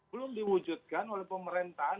belum diwujudkan oleh pemerintahan